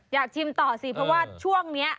ชิมต่อสิเพราะว่าช่วงนี้